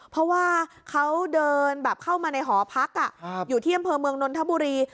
เพราะว่าเขาเดินแบบเข้ามาในหอพักอยู่ที่อำเภอเมืองนนทบุรี